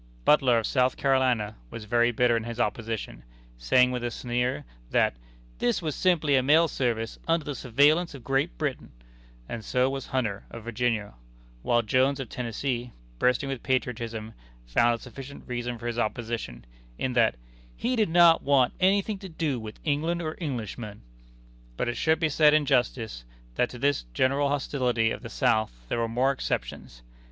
Butler, of South Carolina, was very bitter in his opposition saying, with a sneer, that "this was simply a mail service under the surveillance of Great Britain" and so was Hunter, of Virginia; while Jones, of Tennessee, bursting with patriotism, found a sufficient reason for his opposition, in that "he did not want anything to do with England or Englishmen!" But it should be said in justice, that to this general hostility of the South there were some exceptions.